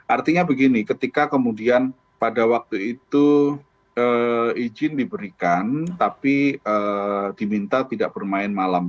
artinya begini ketika kemudian pada waktu itu izin diberikan tapi diminta tidak bermain malam